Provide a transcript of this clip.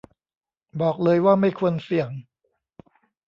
บอกเลยว่าไม่ควรเสี่ยง